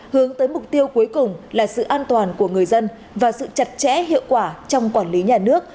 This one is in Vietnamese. hướng tới mục tiêu cuối cùng là sự an toàn của người dân và sự chặt chẽ hiệu quả trong quản lý nhà nước